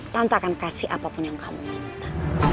lantas akan kasih apapun yang kamu minta